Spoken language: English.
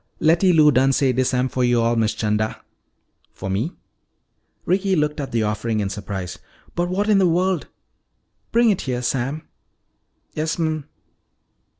"Letty Lou done say dis am fo' yo'all, Miss 'Chanda." "For me?" Ricky looked at the offering in surprise. "But what in the world Bring it here, Sam." "Yas'm."